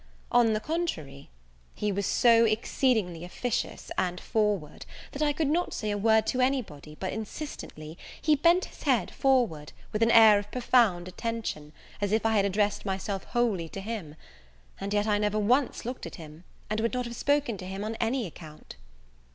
On the contrary, he was so exceedingly officious and forward, that I could not say a word to any body but instantly he bent his head forward, with an air of profound attention, as if I had addressed myself wholly to him; and yet I never once looked at him, and would not have spoken to him on any account.